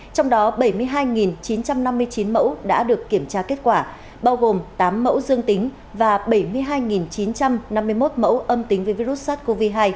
trong đó bảy mươi hai chín trăm năm mươi chín mẫu đã được kiểm tra kết quả bao gồm tám mẫu dương tính và bảy mươi hai chín trăm năm mươi một mẫu âm tính với virus sars cov hai